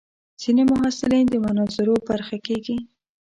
ځینې محصلین د مناظرو برخه کېږي.